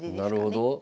なるほど。